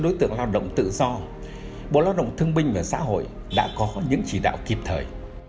đối tượng lao động tự do bộ lao động thương binh và xã hội đã có những chỉ đạo kịp thời